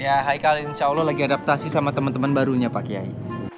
ya haikal insyaallah lagi adaptasi sama temen temen barunya pak kiai